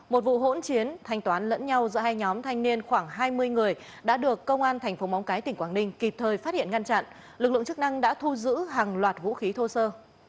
một vụ hỗn chiến thanh toán lẫn nhau giữa hai nhóm thanh niên khoảng hai mươi người đã được công an thành phố móng cái tỉnh quảng ninh kịp thời phát hiện ngăn chặn lực lượng chức năng đã thu giữ hàng loạt vũ khí thô sơ